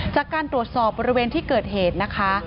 จากการตรวจสอบบริเวณที่เกิดเหตุนะคะ